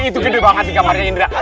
itu gede banget sih kamarnya indra